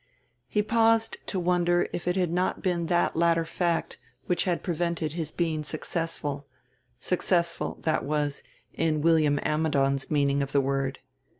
He paused to wonder if it had not been that latter fact which had prevented his being successful successful, that was, in William Ammidon's meaning of the word.